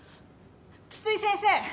津々井先生